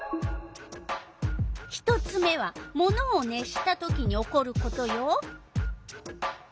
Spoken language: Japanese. １つ目はものを熱したときに起こることよ。